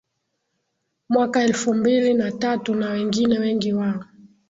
mwaka elfu mbili na tatu na wengine wengi wao